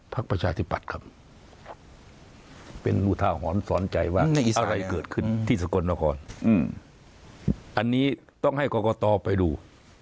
ประชาธิปัตย์ครับเป็นอุทาหรณ์สอนใจว่าอะไรเกิดขึ้นที่สกลนครอันนี้ต้องให้กรกตไปดู